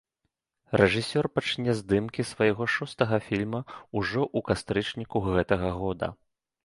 Рэжысёр пачне здымкі свайго шостага фільма ўжо ў кастрычніку гэтага года.